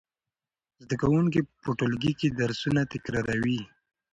زده کوونکي په ټولګي کې درسونه تکراروي.